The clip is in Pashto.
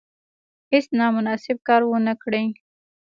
هیڅ نامناسب کار ونه کړي.